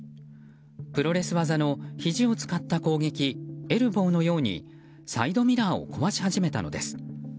プロレス技のひじを使った攻撃エルボーのようにサイドミラーを壊し始めたのです。